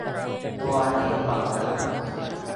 ตัวเอกของเรื่อง